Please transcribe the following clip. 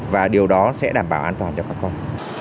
và điều đó sẽ đảm bảo an toàn cho các con